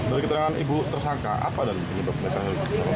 dari keterangan ibu tersangka apa ada penyebabnya